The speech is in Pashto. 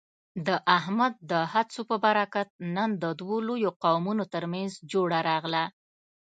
د احمد د هڅو په برکت، نن د دوو لویو قومونو ترمنځ جوړه راغله.